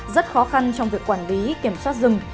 rất khó khăn trong việc quản lý kiểm soát rừng